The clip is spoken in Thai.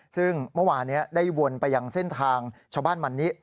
ซึ่งเมื่อวานนี้ได้วนไปยังเส้นทางชาวบ้านมันนิ